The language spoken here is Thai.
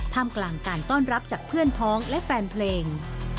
กลางการต้อนรับจากเพื่อนพ้องและแฟนเพลง